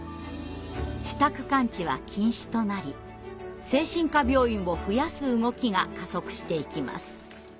私宅監置は禁止となり精神科病院を増やす動きが加速していきます。